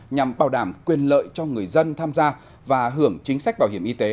nhằm bảo đảm quyền lợi cho người dân tham gia và hưởng chính sách bảo hiểm y tế